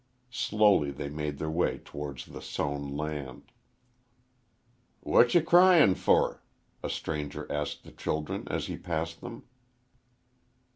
Slowly they made their way towards the sown land. "What ye cryin' fer?" a stranger asked the children as he passed them.